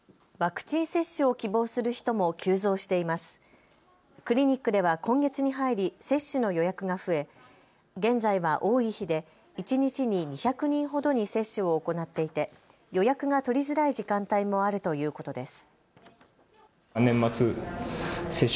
クリニックでは今月に入り接種の予約が増え、現在は多い日で一日に２００人ほどに接種を行っていて予約が取りづらい時間帯もあるということです。